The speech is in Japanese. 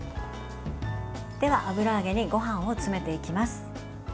では、油揚げにごはんを詰めていきます。